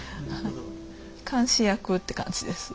監視役って感じです。